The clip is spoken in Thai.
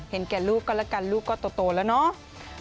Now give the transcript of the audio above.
แก่ลูกก็แล้วกันลูกก็โตแล้วเนาะ